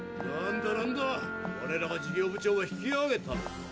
なんだなんだ我らが事業部長は引き上げたのか。